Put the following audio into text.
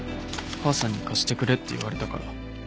母さんに貸してくれって言われたから。